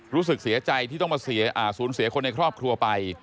รู้สึกเสียใจที่ต้องมาสูญเสียคนในครอบครัวไป